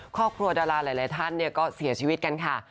ครอบครัวดาราหลายท่านก็เสียชีวิตกันค่ะ